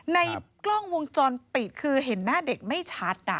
ในกล้องวงจรปิดคือเห็นหน้าเด็กไม่ชัด